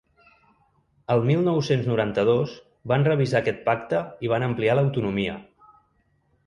El mil nou-cents noranta-dos van revisar aquest pacte i van ampliar l’autonomia.